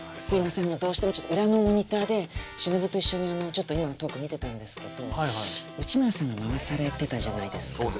すいませんがどうしてもちょっと裏のモニターで忍と一緒にちょっと今のトーク見てたんですけど内村さんが回されてたじゃないですか。